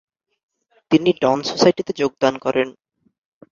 তিনি 'ডন সোসাইটি' তে যোগদান করেন।